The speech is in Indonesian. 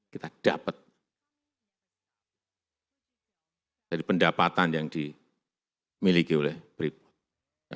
kita dapat dari pendapatan yang dimiliki oleh freeport